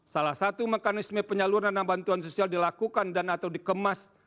salah satu mekanisme penyaluran dana bantuan sosial dilakukan dan atau dikemas